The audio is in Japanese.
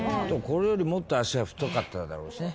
これよりもっと脚は太かっただろうしね。